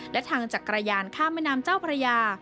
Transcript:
และทางจักรยานข้ามแม่น้ำเจ้าพระยา